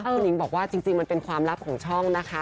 คุณหญิงบอกว่าจริงมันเป็นความลับของช่องนะคะ